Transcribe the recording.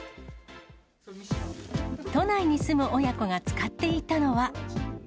都内に住む親子が使っていたのは。